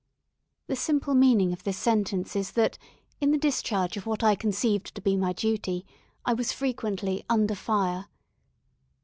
The simple meaning of this sentence is that, in the discharge of what I conceived to be my duty, I was frequently "under fire."